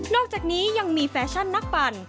อกจากนี้ยังมีแฟชั่นนักปั่น